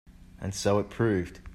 And so it proved.